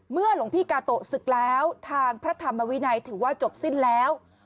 หลวงพี่กาโตะศึกแล้วทางพระธรรมวินัยถือว่าจบสิ้นแล้ว